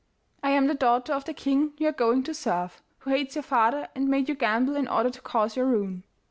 I am the daughter of the king you are going to serve, who hates your father and made you gamble in order to cause your ruin.